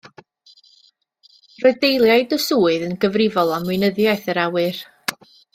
Roedd deiliad y swydd yn gyfrifol am Weinyddiaeth yr Awyr.